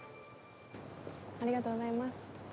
ありがとうございます。